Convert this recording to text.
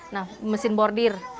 nah mesin bordir